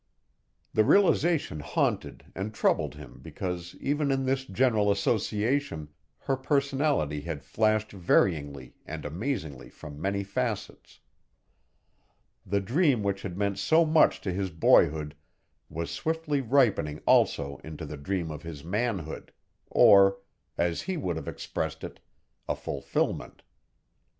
The realization haunted and troubled him because even in this general association, her personality had flashed varyingly and amazingly from many facets. The dream which had meant so much to his boyhood was swiftly ripening also into the dream of his manhood, or, as he would have expressed it, a fulfillment.